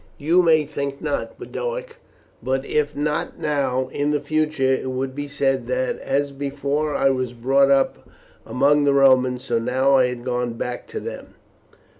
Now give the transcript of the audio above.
"You may think not, Boduoc; but if not now, in the future it would be said that, as before I was brought up among the Romans, so now I had gone back to them.